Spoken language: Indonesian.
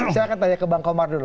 saya akan tanya ke bang komar dulu